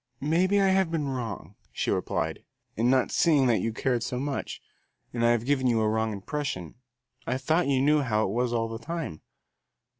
"Maybe I have been wrong," she replied, "in not seeing that you cared so much, and have given you a wrong impression. I thought you knew how it was all the time."